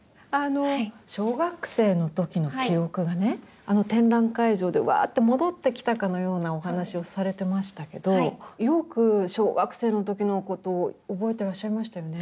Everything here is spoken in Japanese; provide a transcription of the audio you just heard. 小学生の時の記憶がねあの展覧会場でわあって戻ってきたかのようなお話をされてましたけどよく小学生の時のことを覚えてらっしゃいましたよね。